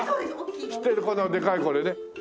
知ってるでかいこれね。